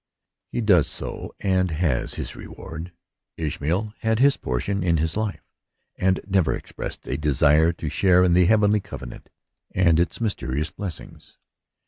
He does so, and has his reward. Ishmael had his portion in this life, and never expressed a desire to share in the heavenly covenant and its mysterious blessings.